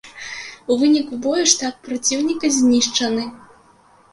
У выніку бою штаб праціўніка знішчаны.